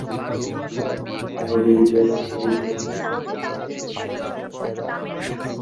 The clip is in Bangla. তার অভিনীত একটি ছবির পরিচালক ছিলেন কাজী নজরুল ইসলাম।